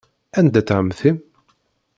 Anda-tt ɛemmti-m?